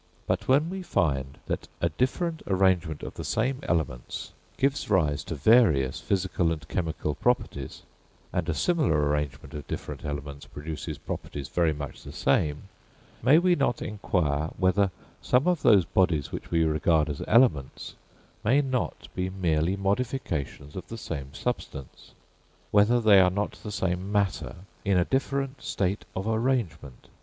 But when we find that a different arrangement of the same elements gives rise to various physical and chemical properties, and a similar arrangement of different elements produces properties very much the same, may we not inquire whether some of those bodies which we regard as elements may not be merely modifications of the same substance? whether they are not the same matter in a different state of arrangement?